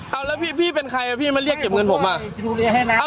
เอาแล้วพี่เป็นใครพี่มาเรียกเก็บเงินผมอ่ะ